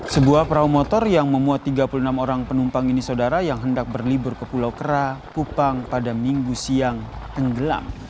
sebuah perahu motor yang memuat tiga puluh enam orang penumpang ini saudara yang hendak berlibur ke pulau kera kupang pada minggu siang tenggelam